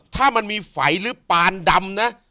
ถ้ามันมีไฟหรือปานดำนะ